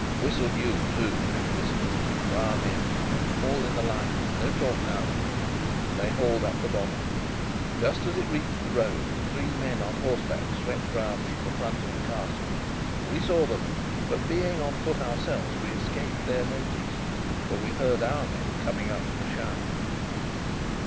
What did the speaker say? "Whistle you too," I whispered, "for our men, and haul in the line. No talk now." They hauled up the body. Just as it reached the road, three men on horseback swept round from the front of the Castle. We saw them; but, being on foot ourselves, we escaped their notice. But we heard our men coming up with a shout.